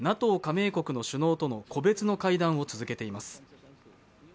ＮＡＴＯ加盟国の首脳との個別の会談を続けています。